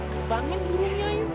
terbangin burungnya ya